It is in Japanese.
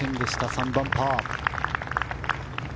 ３番、パー。